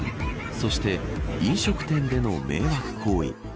そして、飲食店での迷惑行為。